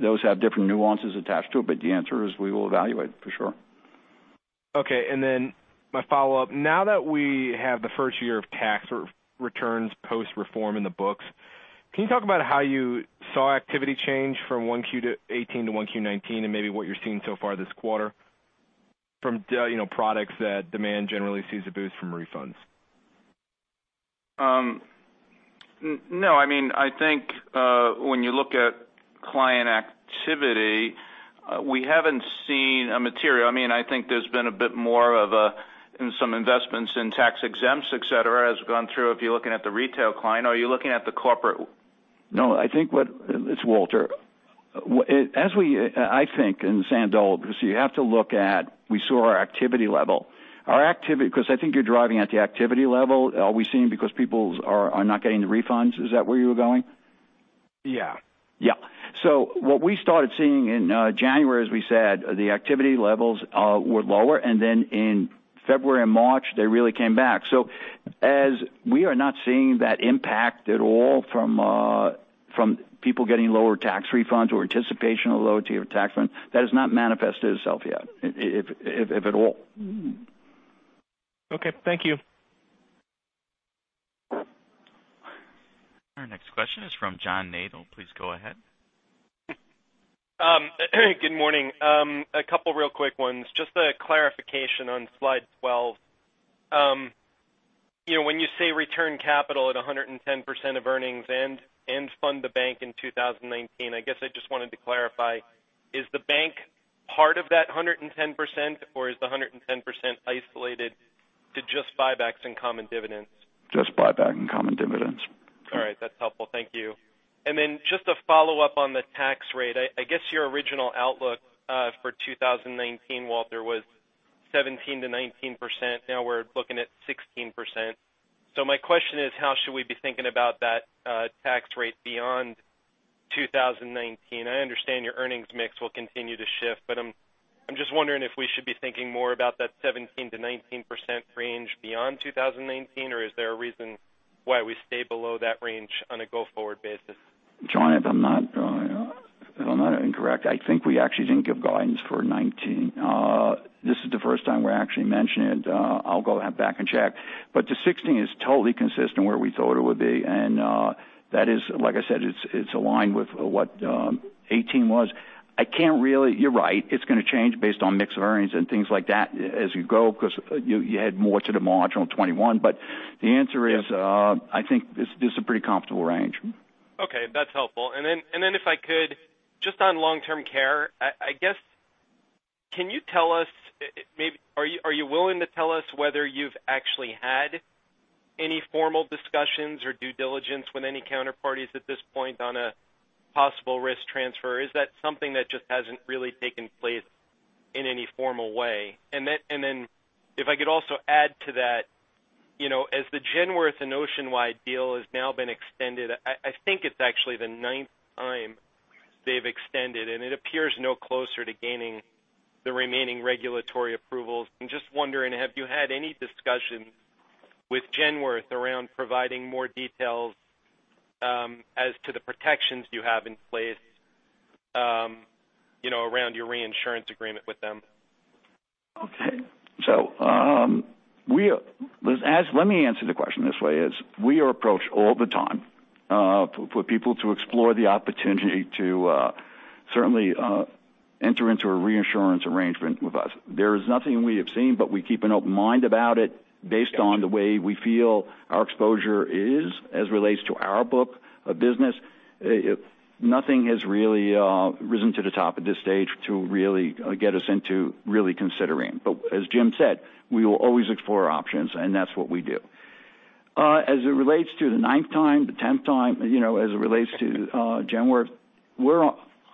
those have different nuances attached to it, the answer is we will evaluate for sure. Okay, my follow-up, now that we have the first year of tax returns post-reform in the books, can you talk about how you saw activity change from 1Q 2018 to 1Q 2019, maybe what you're seeing so far this quarter from products that demand generally sees a boost from refunds? No. I think when you look at client activity, we haven't seen a material. I think there's been a bit more of a, in some investments in tax exempts, et cetera, has gone through if you're looking at the retail client. Are you looking at the corporate? No. It's Walter. I think in Suneet, you have to look at, we saw our activity level. I think you're driving at the activity level. Are we seeing because people are not getting the refunds? Is that where you were going? Yeah. Yeah. What we started seeing in January, as we said, the activity levels were lower, and then in February and March, they really came back. As we are not seeing that impact at all from people getting lower tax refunds or anticipation of lower tier tax refunds, that has not manifested itself yet, if at all. Okay. Thank you. This question is from John Nadel. Please go ahead. Good morning. A couple real quick ones. Just a clarification on slide 12. When you say return capital at 110% of earnings and fund the bank in 2019, I guess I just wanted to clarify, is the bank part of that 110%, or is the 110% isolated to just buybacks and common dividends? Just buyback and common dividends. All right. That's helpful. Thank you. Just a follow-up on the tax rate. I guess your original outlook for 2019, Walter, was 17%-19%. Now we're looking at 16%. My question is, how should we be thinking about that tax rate beyond 2019? I understand your earnings mix will continue to shift, I'm just wondering if we should be thinking more about that 17%-19% range beyond 2019, is there a reason why we stay below that range on a go-forward basis? John, if I'm not incorrect, I think we actually didn't give guidance for 2019. This is the first time we're actually mentioning it. I'll go back and check. The 16% is totally consistent where we thought it would be. That is, like I said, it's aligned with what 2018 was. You're right, it's going to change based on mix of earnings and things like that as you go because you had more to the marginal 2021. The answer is, I think this is a pretty comfortable range. Okay, that's helpful. If I could, just on long-term care, are you willing to tell us whether you've actually had any formal discussions or due diligence with any counterparties at this point on a possible risk transfer? Is that something that just hasn't really taken place in any formal way? If I could also add to that, as the Genworth and Oceanwide deal has now been extended, I think it's actually the ninth time they've extended, and it appears no closer to gaining the remaining regulatory approvals. I'm just wondering, have you had any discussions with Genworth around providing more details as to the protections you have in place around your reinsurance agreement with them? Okay. Let me answer the question this way, is we are approached all the time for people to explore the opportunity to certainly enter into a reinsurance arrangement with us. There is nothing we have seen, but we keep an open mind about it based on the way we feel our exposure is as it relates to our book of business. Nothing has really risen to the top at this stage to really get us into really considering. As Jim said, we will always explore options, and that's what we do. As it relates to the ninth time, the tenth time as it relates to Genworth,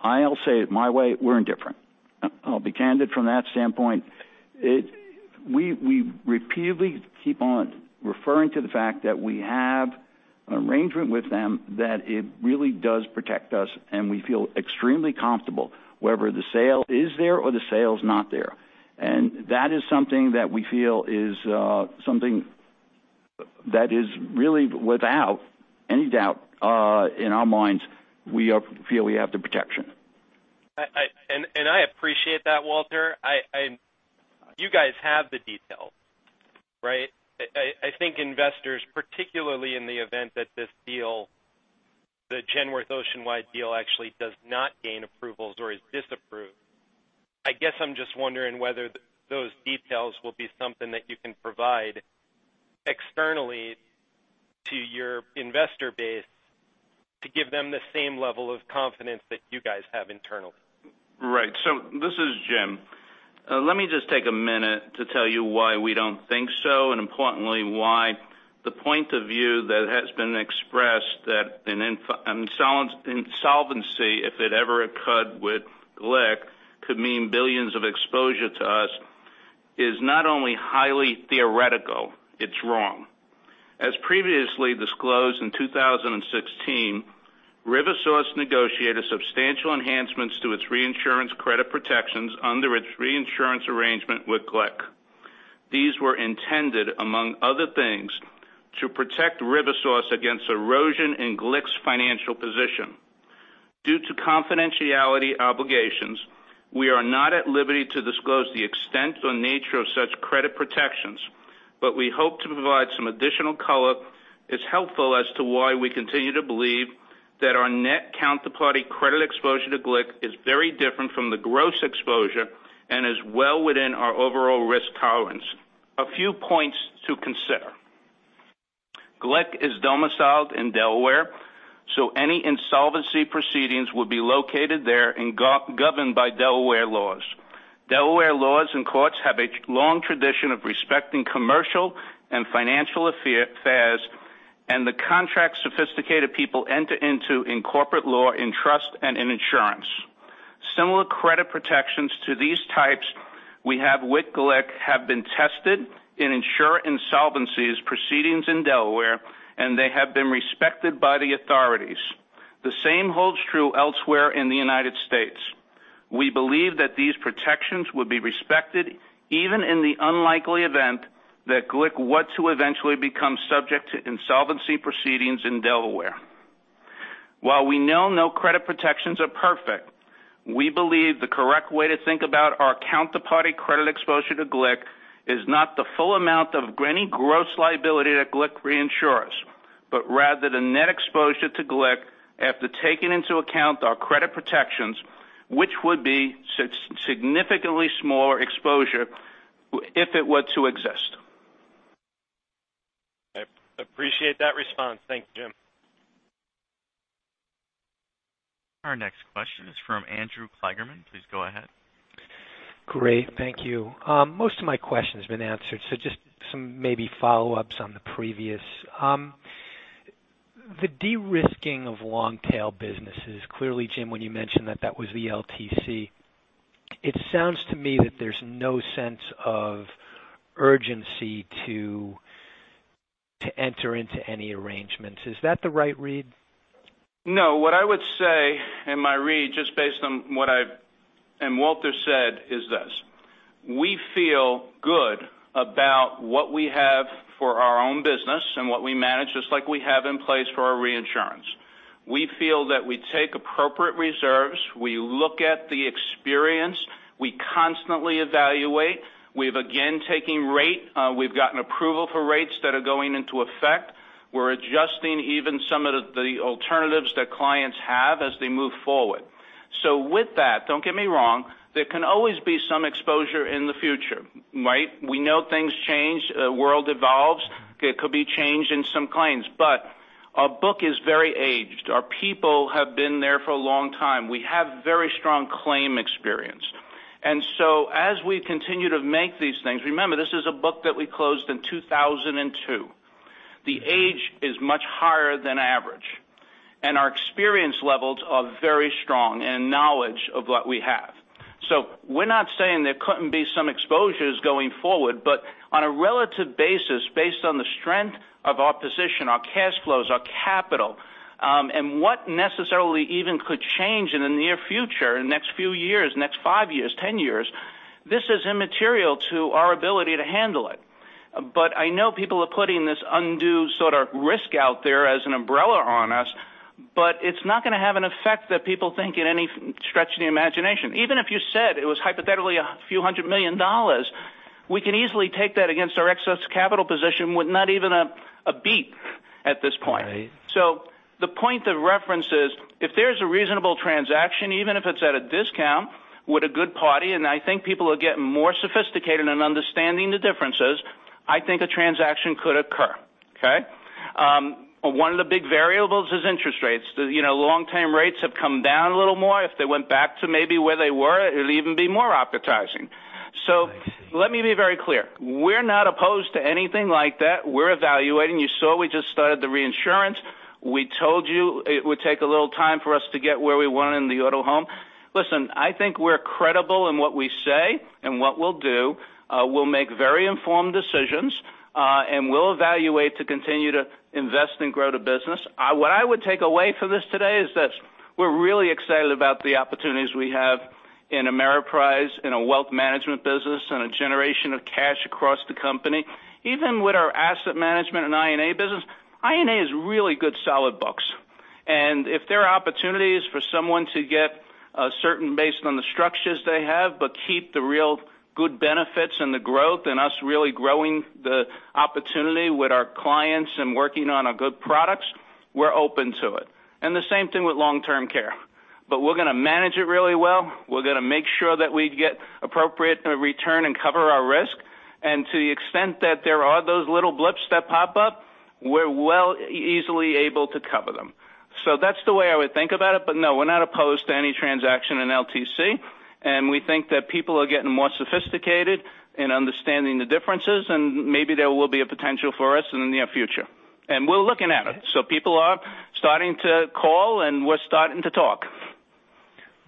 I'll say it my way, we're indifferent. I'll be candid from that standpoint. We repeatedly keep on referring to the fact that we have an arrangement with them that it really does protect us, and we feel extremely comfortable whether the sale is there or the sale is not there. That is something that we feel is something that is really without any doubt in our minds, we feel we have the protection. I appreciate that, Walter. You guys have the details, right? I think investors, particularly in the event that this deal, the Genworth Oceanwide deal, actually does not gain approvals or is disapproved. I guess I'm just wondering whether those details will be something that you can provide externally to your investor base to give them the same level of confidence that you guys have internally. Right. This is Jim. Let me just take a minute to tell you why we don't think so, and importantly, why the point of view that has been expressed that an insolvency, if it ever occurred with GLIC, could mean $billions of exposure to us is not only highly theoretical, it's wrong. As previously disclosed in 2016, RiverSource negotiated substantial enhancements to its reinsurance credit protections under its reinsurance arrangement with GLIC. These were intended, among other things, to protect RiverSource against erosion in GLIC's financial position. Due to confidentiality obligations, we are not at liberty to disclose the extent or nature of such credit protections, but we hope to provide some additional color is helpful as to why we continue to believe that our net counterparty credit exposure to GLIC is very different from the gross exposure and is well within our overall risk tolerance. A few points to consider. GLIC is domiciled in Delaware, any insolvency proceedings would be located there and governed by Delaware laws. Delaware laws and courts have a long tradition of respecting commercial and financial affairs and the contract sophisticated people enter into in corporate law, in trust, and in insurance. Similar credit protections to these types we have with GLIC have been tested in insurer insolvencies proceedings in Delaware, and they have been respected by the authorities. The same holds true elsewhere in the U.S. We believe that these protections would be respected even in the unlikely event that GLIC were to eventually become subject to insolvency proceedings in Delaware. While we know no credit protections are perfect. We believe the correct way to think about our counterparty credit exposure to GLIC is not the full amount of any gross liability that GLIC reinsures, but rather the net exposure to GLIC after taking into account our credit protections, which would be significantly smaller exposure if it were to exist. I appreciate that response. Thank you, Jim. Our next question is from Andrew Kligerman. Please go ahead. Great. Thank you. Most of my question's been answered, so just some maybe follow-ups on the previous. The de-risking of long-tail businesses. Clearly, Jim, when you mentioned that was the LTC. It sounds to me that there's no sense of urgency to enter into any arrangements. Is that the right read? No. What I would say in my read, just based on what I and Walter said, is this. We feel good about what we have for our own business and what we manage, just like we have in place for our reinsurance. We feel that we take appropriate reserves. We look at the experience. We constantly evaluate. We're again taking rate. We've gotten approval for rates that are going into effect. We're adjusting even some of the alternatives that clients have as they move forward. With that, don't get me wrong, there can always be some exposure in the future, right? We know things change, world evolves. There could be change in some claims. Our book is very aged. Our people have been there for a long time. We have very strong claim experience. As we continue to make these things, remember, this is a book that we closed in 2002. The age is much higher than average, and our experience levels are very strong and knowledge of what we have. We're not saying there couldn't be some exposures going forward, but on a relative basis, based on the strength of our position, our cash flows, our capital, and what necessarily even could change in the near future, next few years, next five years, 10 years. This is immaterial to our ability to handle it. I know people are putting this undue sort of risk out there as an umbrella on us, but it's not going to have an effect that people think in any stretch of the imagination. Even if you said it was hypothetically a few hundred million dollars, we could easily take that against our excess capital position with not even a beat at this point. Right. The point of reference is if there's a reasonable transaction, even if it's at a discount, with a good party, and I think people are getting more sophisticated in understanding the differences, I think a transaction could occur. Okay? One of the big variables is interest rates. Long-term rates have come down a little more. If they went back to maybe where they were, it would even be more appetizing. I see. Let me be very clear. We're not opposed to anything like that. We're evaluating. You saw we just started the reinsurance. We told you it would take a little time for us to get where we want in the auto home. Listen, I think we're credible in what we say and what we'll do. We'll make very informed decisions, and we'll evaluate to continue to invest and grow the business. What I would take away from this today is this. We're really excited about the opportunities we have in Ameriprise, in a wealth management business, and a generation of cash across the company. Even with our asset management and I&A business, I&A is really good, solid books. If there are opportunities for someone to get a certain based on the structures they have, but keep the real good benefits and the growth and us really growing the opportunity with our clients and working on our good products, we're open to it. The same thing with long-term care. We're going to manage it really well. We're going to make sure that we get appropriate return and cover our risk. To the extent that there are those little blips that pop up, we're well easily able to cover them. That's the way I would think about it. No, we're not opposed to any transaction in LTC, and we think that people are getting more sophisticated in understanding the differences, and maybe there will be a potential for us in the near future. We're looking at it. People are starting to call, and we're starting to talk.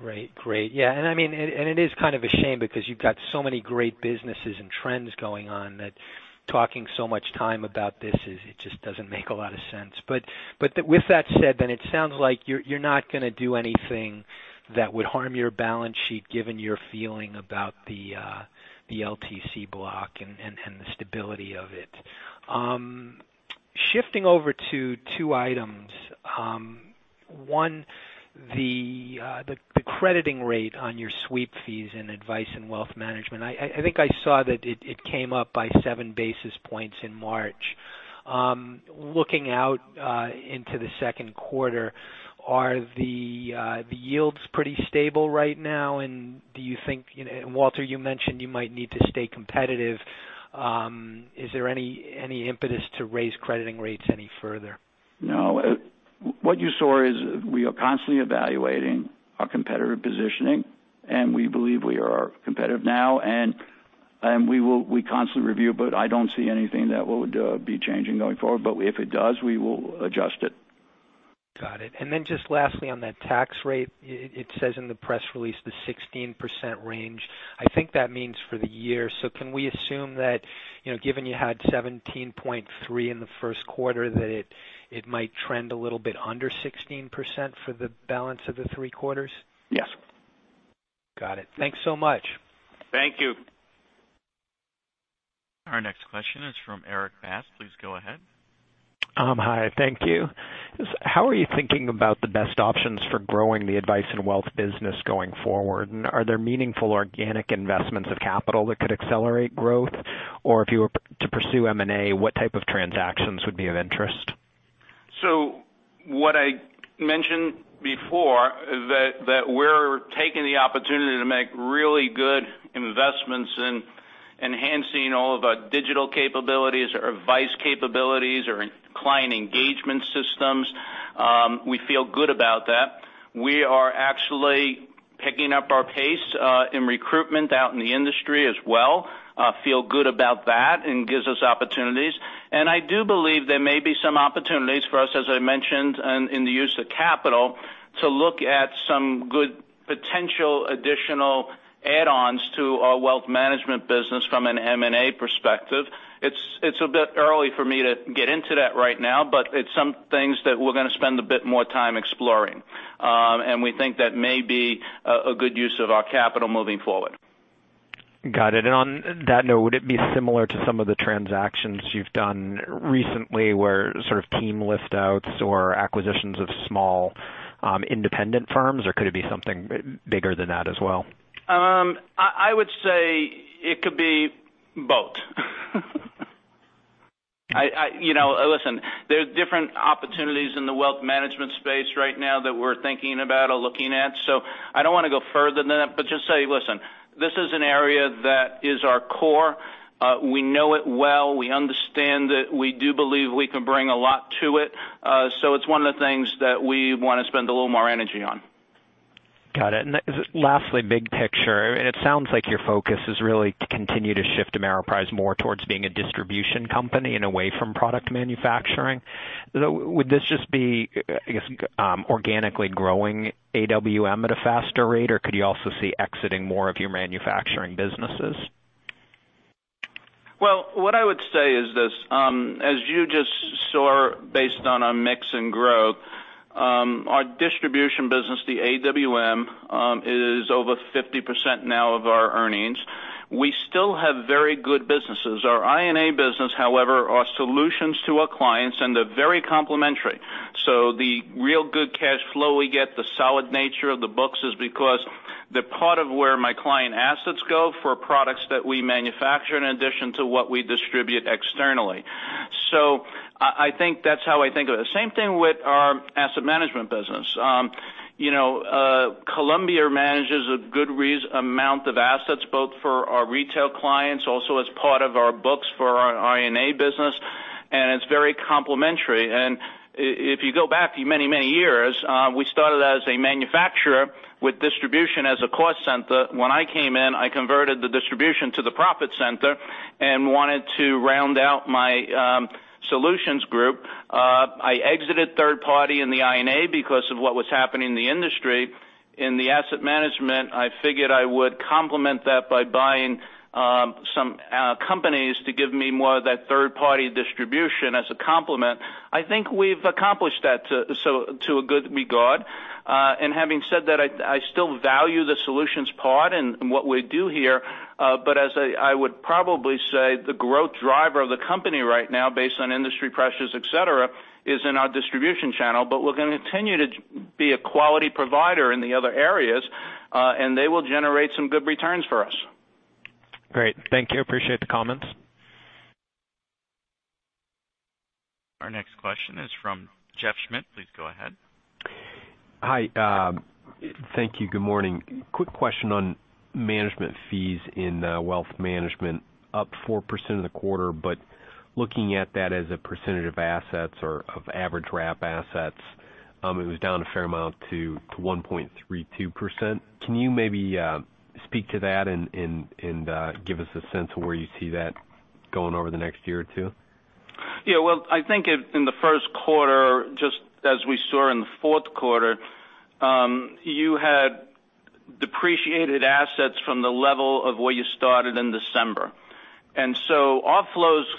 Right. Great. Yeah. It is kind of a shame because you've got so many great businesses and trends going on that talking so much time about this, it just doesn't make a lot of sense. With that said, then it sounds like you're not going to do anything that would harm your balance sheet given your feeling about the LTC block and the stability of it. Shifting over to two items. One, the crediting rate on your sweep fees and Advice & Wealth Management. I think I saw that it came up by seven basis points in March. Looking out into the second quarter, are the yields pretty stable right now? Walter, you mentioned you might need to stay competitive. Is there any impetus to raise crediting rates any further? No. What you saw is we are constantly evaluating our competitive positioning, and we believe we are competitive now, and we constantly review, but I don't see anything that would be changing going forward. If it does, we will adjust it. Got it. Just lastly on that tax rate, it says in the press release the 16% range. I think that means for the year. Can we assume that given you had 17.3% in the first quarter, that it might trend a little bit under 16% for the balance of the 3 quarters? Yes. Got it. Thanks so much. Thank you Our next question is from Erik Bass. Please go ahead. Hi. Thank you. How are you thinking about the best options for growing the Advice & Wealth Management business going forward? Are there meaningful organic investments of capital that could accelerate growth? If you were to pursue M&A, what type of transactions would be of interest? What I mentioned before is that we're taking the opportunity to make really good investments in enhancing all of our digital capabilities, our advice capabilities, our client engagement systems. We feel good about that. We are actually picking up our pace in recruitment out in the industry as well. We feel good about that. It gives us opportunities. I do believe there may be some opportunities for us, as I mentioned, in the use of capital to look at some good potential additional add-ons to our wealth management business from an M&A perspective. It's a bit early for me to get into that right now, but it's some things that we're going to spend a bit more time exploring. We think that may be a good use of our capital moving forward. Got it. On that note, would it be similar to some of the transactions you've done recently, where sort of team lift-outs or acquisitions of small, independent firms? Could it be something bigger than that as well? I would say it could be both. Listen, there's different opportunities in the wealth management space right now that we're thinking about or looking at. I don't want to go further than that, but just say, listen, this is an area that is our core. We know it well. We understand it. We do believe we can bring a lot to it. It's one of the things that we want to spend a little more energy on. Got it. Lastly, big picture, it sounds like your focus is really to continue to shift Ameriprise more towards being a distribution company and away from product manufacturing. Would this just be, I guess, organically growing AWM at a faster rate, or could you also see exiting more of your manufacturing businesses? Well, what I would say is this. As you just saw, based on our mix and growth, our distribution business, the AWM, is over 50% now of our earnings. We still have very good businesses. Our I&A business, however, are solutions to our clients, and they're very complementary. The real good cash flow we get, the solid nature of the books is because they're part of where my client assets go for products that we manufacture in addition to what we distribute externally. I think that's how I think of it. Same thing with our asset management business. Columbia manages a good amount of assets, both for our retail clients, also as part of our books for our I&A business, and it's very complementary. If you go back many years, we started as a manufacturer with distribution as a cost center. When I came in, I converted the distribution to the profit center and wanted to round out my solutions group. I exited third party in the I&A because of what was happening in the industry. In the asset management, I figured I would complement that by buying some companies to give me more of that third party distribution as a complement. I think we've accomplished that to a good regard. Having said that, I still value the solutions part and what we do here. As I would probably say, the growth driver of the company right now based on industry pressures, et cetera, is in our distribution channel. We're going to continue to be a quality provider in the other areas, and they will generate some good returns for us. Great. Thank you. Appreciate the comments. Our next question is from Jeffrey Schmidt. Please go ahead. Hi. Thank you. Good morning. Looking at that as a percentage of assets or of average wrap assets, it was down a fair amount to 1.32%. Can you maybe speak to that and give us a sense of where you see that going over the next year or two? Yeah. Well, I think in the first quarter, just as we saw in the fourth quarter, you had depreciated assets from the level of where you started in December. [inaudible]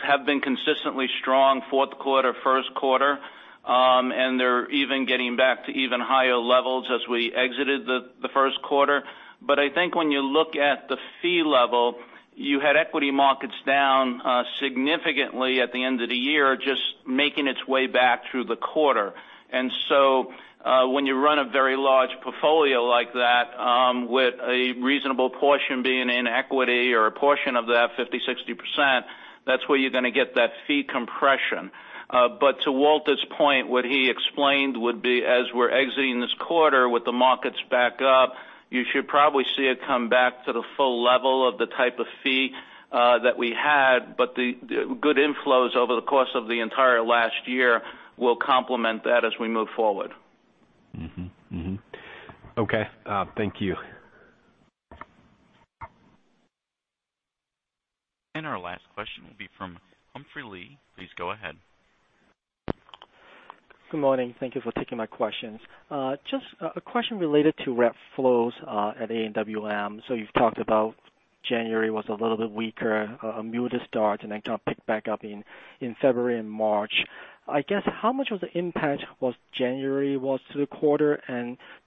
have been consistently strong fourth quarter, first quarter. They're even getting back to even higher levels as we exited the first quarter. I think when you look at the fee level, you had equity markets down significantly at the end of the year, just making its way back through the quarter. When you run a very large portfolio like that, with a reasonable portion being in equity or a portion of that 50%, 60%, that's where you're going to get that fee compression. To Walter's point, what he explained would be as we're exiting this quarter with the markets back up, you should probably see it come back to the full level of the type of fee that we had. The good inflows over the course of the entire last year will complement that as we move forward. Okay. Thank you. Our last question will be from Humphrey Lee. Please go ahead. Good morning. Thank you for taking my questions. Just a question related to rep flows at AWM. You've talked about January was a little bit weaker, a muted start, and then kind of picked back up in February and March. I guess, how much of the impact was January was to the quarter?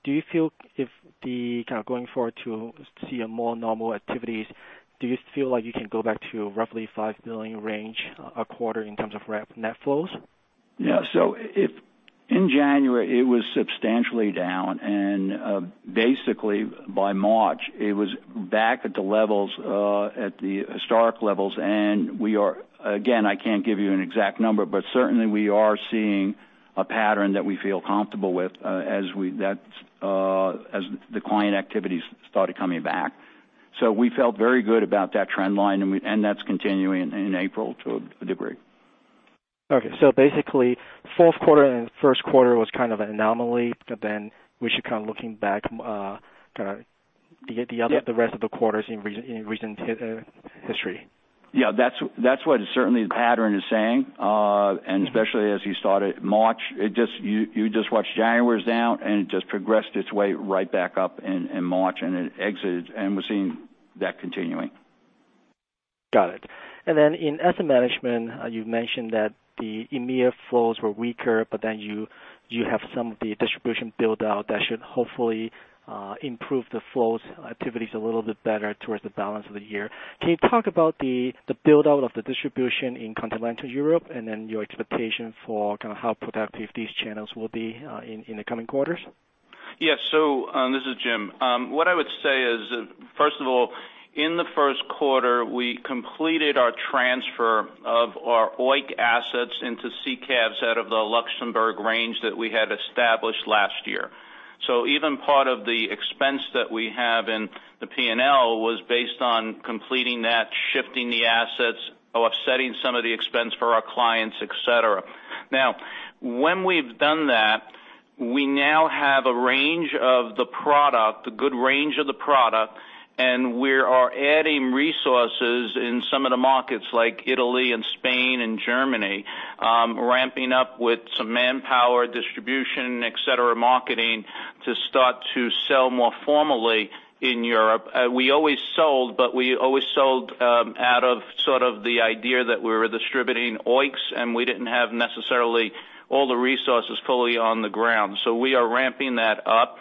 Do you feel if the kind of going forward to see a more normal activities, do you feel like you can go back to roughly $5 billion range a quarter in terms of rep net flows? Yeah. In January, it was substantially down. Basically, by March, it was back at the historic levels. Again, I can't give you an exact number, but certainly we are seeing a pattern that we feel comfortable with as the client activities started coming back. We felt very good about that trend line, and that's continuing in April to a degree. Okay. Basically, fourth quarter and first quarter was an anomaly, but then we should looking back the rest of the quarters in recent history. Yeah. That's what certainly the pattern is saying. Especially as you started March. You just watched January's down, and it just progressed its way right back up in March, and it exited, and we're seeing that continuing. Got it. In asset management, you've mentioned that the EMEA flows were weaker, but then you have some of the distribution build-out that should hopefully improve the flows activities a little bit better towards the balance of the year. Can you talk about the build-out of the distribution in Continental Europe, and then your expectation for how productive these channels will be in the coming quarters? This is Jim. What I would say is, first of all, in the first quarter, we completed our transfer of our OEICs assets into SICAVs out of the Luxembourg range that we had established last year. Even part of the expense that we have in the P&L was based on completing that, shifting the assets, offsetting some of the expense for our clients, et cetera. When we've done that, we now have a range of the product, a good range of the product, and we are adding resources in some of the markets like Italy and Spain and Germany, ramping up with some manpower, distribution, et cetera, marketing to start to sell more formally in Europe. We always sold, but we always sold out of the idea that we were distributing OEICs, and we didn't have necessarily all the resources fully on the ground. We are ramping that up.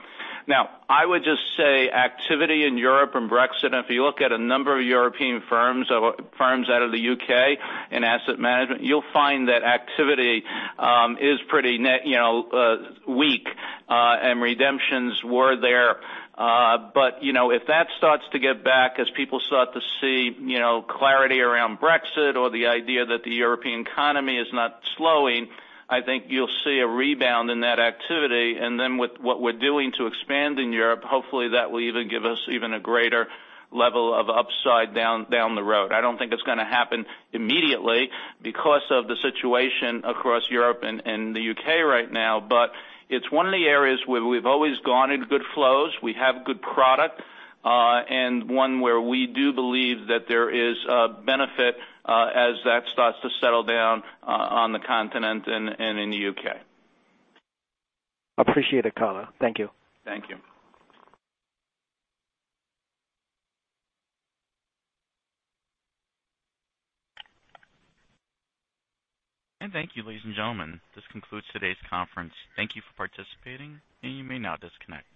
I would just say activity in Europe and Brexit, if you look at a number of European firms out of the U.K. in asset management, you'll find that activity is pretty weak. Redemptions were there. If that starts to get back as people start to see clarity around Brexit or the idea that the European economy is not slowing, I think you'll see a rebound in that activity. With what we're doing to expand in Europe, hopefully that will even give us even a greater level of upside down the road. I don't think it's going to happen immediately because of the situation across Europe and the U.K. right now. It's one of the areas where we've always gone into good flows. We have good product. One where we do believe that there is a benefit as that starts to settle down on the continent and in the U.K. Appreciate it, Cracchiolo. Thank you. Thank you. Thank you, ladies and gentlemen. This concludes today's conference. Thank you for participating, and you may now disconnect.